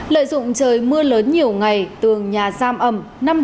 lợi dụng trời mưa lớn nhiều ngày tường nhà giam ẩm